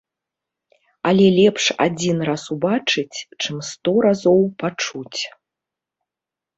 Але лепш адзін раз убачыць, чым сто разоў пачуць.